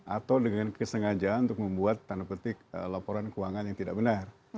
atau dengan kesengajaan untuk membuat tanda petik laporan keuangan yang tidak benar